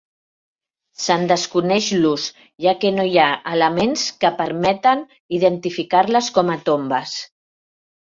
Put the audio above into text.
Se'n desconeix l'ús, ja que no hi ha elements que permeten identificar-les com a tombes.